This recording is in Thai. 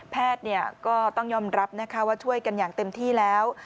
แพทย์ก็ต้องยอมรับนะคะว่าช่วยกันอย่างเต็มที่แล้ว